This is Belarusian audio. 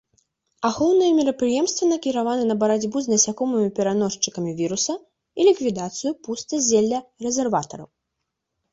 Ахоўныя мерапрыемствы накіраваны на барацьбу з насякомымі-пераносчыкамі віруса і ліквідацыю пустазелля-рэзерватараў.